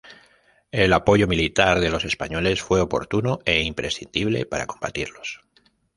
El apoyo militar de los españoles fue oportuno e imprescindible para combatirlos.